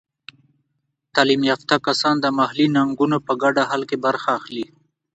تعلیم یافته کسان د محلي ننګونو په ګډه حل کې برخه اخلي.